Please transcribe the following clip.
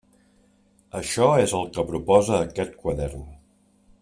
Això és el que proposa aquest quadern.